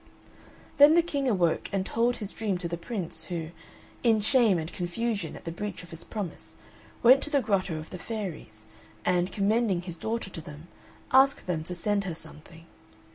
Then the captain awoke and told his dream to the Prince, who, in shame and confusion at the breach of his promise, went to the Grotto of the Fairies, and, commending his daughter to them, asked them to send her something.